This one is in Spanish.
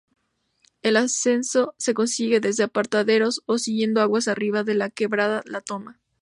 El ascenso se consigue desde Apartaderos, o siguiendo aguas arriba la quebrada La Toma.